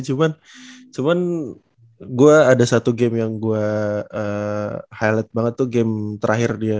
cuman cuman gue ada satu game yang gue highlight banget tuh game terakhir dia